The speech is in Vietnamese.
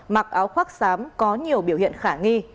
mặc áo khoác xám có nhiều biểu hiện khả nghi